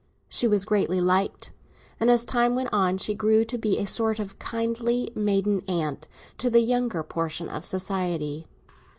She was greatly liked, and as time went on she grew to be a sort of kindly maiden aunt to the younger portion of society.